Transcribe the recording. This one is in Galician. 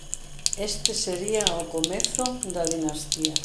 Este sería o comezo da dinastía.